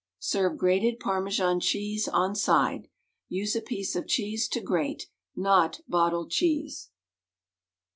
Serve grated Parmesan cheese on side. Use a piece of cheese to grate, not bottled cheese.